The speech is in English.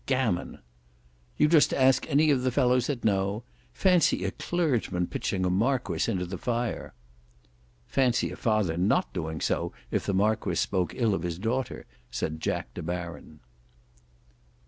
"Gammon!" "You just ask any of the fellows that know. Fancy a clergyman pitching a Marquis into the fire!" "Fancy a father not doing so if the Marquis spoke ill of his daughter," said Jack De Baron.